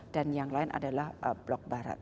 dan yang lain adalah blok barat